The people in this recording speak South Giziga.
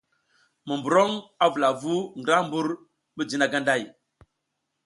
Monburoŋ, a vula vu ngra mbur mijina ganday.